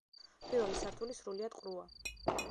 პირველი სართული სრულიად ყრუა.